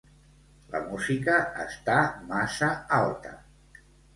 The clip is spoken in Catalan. La música està massa alta.